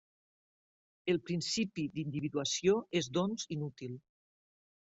El principi d'individuació és doncs inútil.